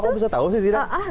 kok aku bisa tahu sih zidane